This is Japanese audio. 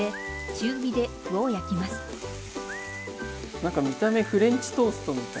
何か見た目フレンチトーストみたい。